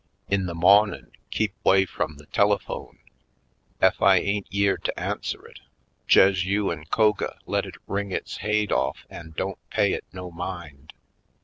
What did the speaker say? In the mawnin' keep 'way frum the telephone. Ef I ain't yere to answer it jes' you an' Koga let it ring its haid off an' don't pay it no mind.